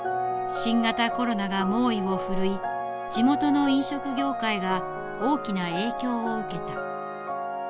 新型コロナが猛威を振るい地元の飲食業界が大きな影響を受けた。